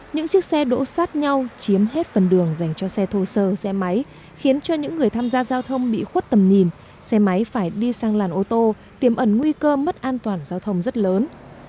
những chiếc xe đỗ sát nhau chiếm hết phần đường dành cho xe thô sơ xe máy khiến cho những người tham gia giao thông bị khuất tầm nhìn xe máy phải đi sang làn ô tô tiềm ẩn nguy cơ mất an toàn giao thông rất lớn